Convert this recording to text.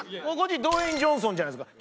ドウェイン・ジョンソンじゃないですか。